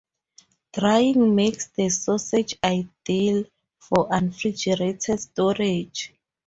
Drying makes the sausage ideal for unrefrigerated storage.